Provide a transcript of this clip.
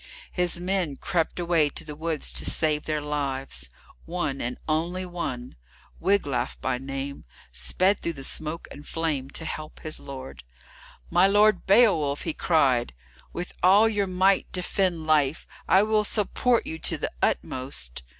His men crept away to the woods to save their lives. One, and one only, Wiglaf by name, sped through the smoke and flame to help his lord. "My Lord Beowulf!" he cried, "with all your might defend life, I will support you to the utmost."